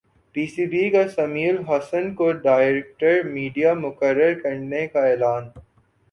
پی C B کا سمیع الحسن کو ڈائریکٹر میڈیا مقرر کرنے کا اعلان